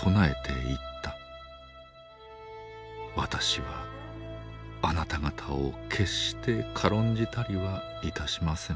「私はあなた方を決して軽んじたりはいたしません。